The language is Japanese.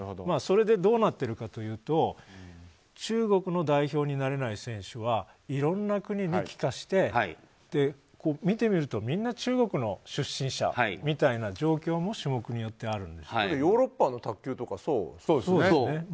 それでどうなってるかというと中国の代表になれない選手はいろんな国に帰化して、見てみると、みんな中国の出身者みたいな状況も種目によってあるんです。ヨーロッパの卓球とかそうですよね。